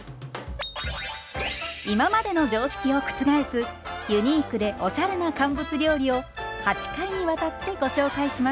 今までの常識を覆すユニークでおしゃれな乾物料理を８回にわたってご紹介します。